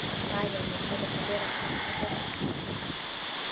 آیا میلمه د خدای رحمت نه ګڼل کیږي؟